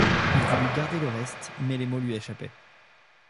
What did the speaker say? Il voulut garder le reste, mais les mots lui échappaient.